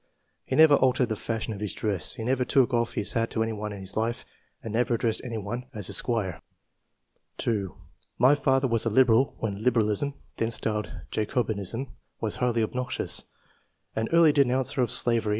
He never altered the fashion of his dress ; he never took oflF his hat to anyone in his life, and never addressed anyone as Esq." 2. "My father was a Liberal when Liberalism (then styled Jacobinism) was h'^^^" obnoxious, an early denouncer of slavery II.] QUALITIES.